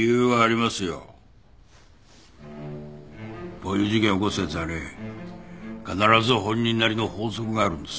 こういう事件起こすやつはね必ず本人なりの法則があるんです。